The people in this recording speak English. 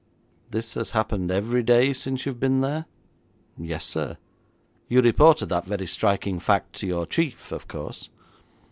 'This has happened every day since you've been there?' 'Yes, sir.' 'You reported that very striking fact to your chief, of course?'